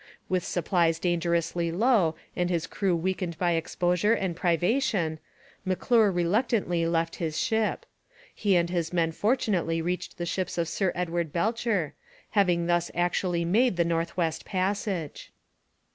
With supplies dangerously low and his crew weakened by exposure and privation, M'Clure reluctantly left his ship. He and his men fortunately reached the ships of Sir Edward Belcher, having thus actually made the North West Passage.